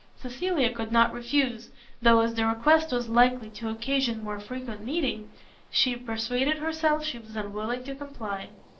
Cecilia could not refuse, though as the request was likely to occasion more frequent meetings, she persuaded herself she was unwilling to comply.